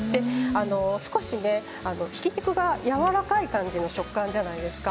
少しひき肉がやわらかい感じの食感じゃないですか。